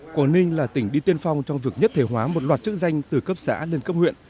quảng ninh là tỉnh đi tiên phong trong việc nhất thể hóa một loạt chức danh từ cấp xã lên cấp huyện